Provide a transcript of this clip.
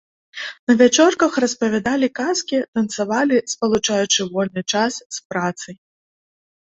На вячорках распавядалі казкі, танцавалі, спалучаючы вольны час з працай.